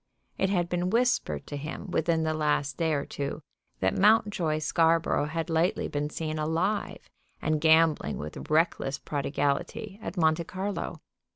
It had been whispered to him within the last day or two that Mountjoy Scarborough had lately been seen alive, and gambling with reckless prodigality, at Monte Carlo.